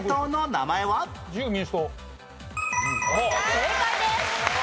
正解です。